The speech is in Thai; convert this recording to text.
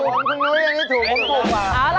คุณเบ้อหนูอันนี้ถูกกว่า